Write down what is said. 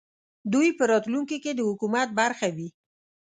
دوی په راتلونکې کې د حکومت برخه وي